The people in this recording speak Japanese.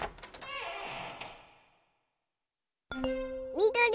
みどり。